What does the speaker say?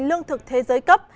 lương thực thế giới cấp